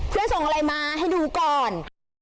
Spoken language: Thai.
เพื่อนส่งไลน์มาให้ดูก่อน